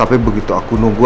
tapi begitu aku nunggu